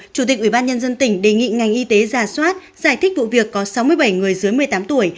chủ tịch ủy ban nhân dân tỉnh đề nghị ngành y tế giả soát giải thích vụ việc có sáu mươi bảy người dưới một mươi tám tuổi